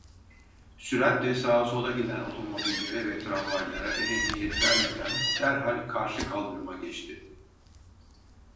Süratle sağa sola giden otomobillere ve tramvaylara ehemmiyet vermeden derhal karşı kaldırıma geçti.